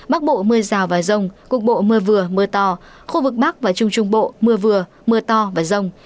bắc bộ mưa rào và rông cục bộ mưa vừa mưa to khu vực bắc và trung trung bộ mưa vừa mưa to và rông